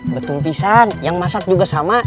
betung pisan yang masak juga sama